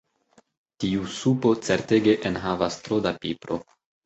Tiu supo certege enhavas tro da pipro.